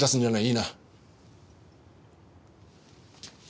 いいな？